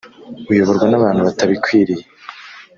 uyoborwa n’abantu batabikwiriye